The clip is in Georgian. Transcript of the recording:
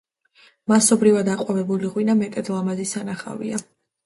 მასობრივად აყვავებული ღვინა მეტად ლამაზი სანახავია.